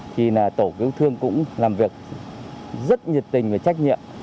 thì tổ cứu thương cũng làm việc rất nhiệt tình và trách nhiệm